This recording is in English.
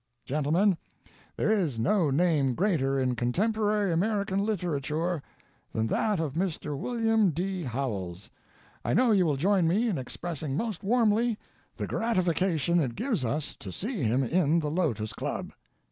Gentleman, there is no name greater in contemporary american literature than that of Mr. William D. Howells. I know you will join me in expressing most warmly the gratification it gives us to see him in the Lotos Club."